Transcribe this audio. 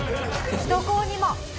首都高にも。